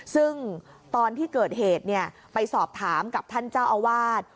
ซึ่งตอนที่เกิดเหตุไปสอบถามกับท่านเจ้าอาวาส